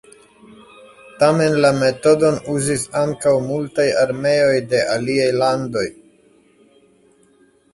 Tamen la metodon uzis ankaŭ multaj armeoj de aliaj landoj.